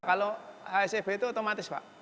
kalau hsb itu otomatis pak